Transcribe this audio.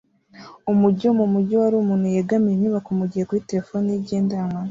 umujyi wo mumujyi wari umuntu yegamiye inyubako mugihe kuri terefone ye igendanwa